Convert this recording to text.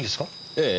ええ。